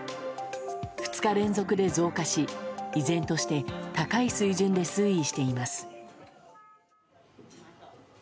２日連続で増加し依然として高い水準で推移しています。